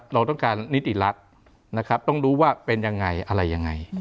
เราต้องการนิติรัฐนะครับต้องรู้ว่าเป็นยังไงอะไรยังไง